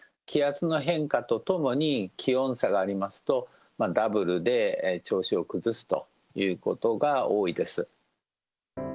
気圧の変化とともに気温差がありますと、ダブルで調子を崩すということが多いです。